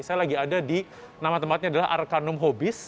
saya lagi ada di nama tempatnya adalah arcanum hobbies